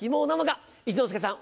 一之輔さん